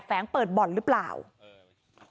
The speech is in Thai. เข้าไปใช่ก็เลยไม่ตาม